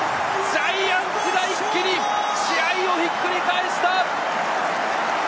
ジャイアンツが一気に試合をひっくり返した！